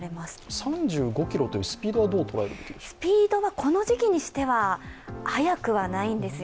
３５キロというスピードはどう捉えたらいいですか？